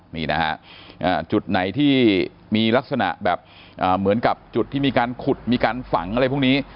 นี่นะฮะจุดไหนที่มีลักษณะแบบเหมือนกับจุดที่มีการขุดมีการฝังอะไรพวกนี้